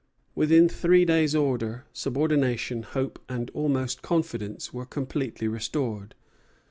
Within three days order, subordination, hope, and almost confidence were completely restored.